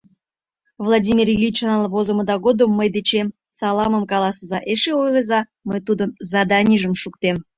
— Владимир Ильичлан возымыда годым мый дечем саламым каласыза, эше ойлыза: мый тудын заданийжым шуктем.